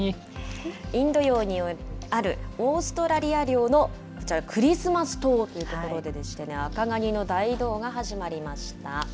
インド洋にあるオーストラリア領のこちら、クリスマス島という所でして、アカガニの大移動が始まりました。